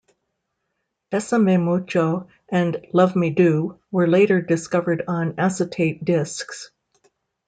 'Besame Mucho' and 'Love Me Do' were later discovered on acetate discs.